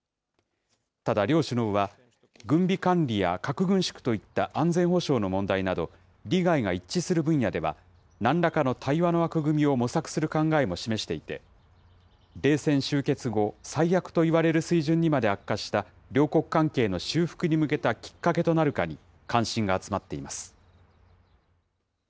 ただ、両首脳は軍備管理や核軍縮といった安全保障の問題など、利害が一致する分野では、なんらかの対話の枠組みを模索する考えも示していて、冷戦終結後最悪といわれるほどまで悪化した両国関係の修復に向けたきっかけとなるかに関心が集まっています。